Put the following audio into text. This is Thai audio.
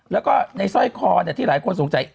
แล้วก็ในสร้อยคอที่หลายคนสงสัย